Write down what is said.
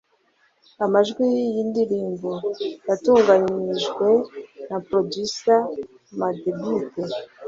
Amajwi y’iyi ndirimbo yatunganijwe na Producer Madebeat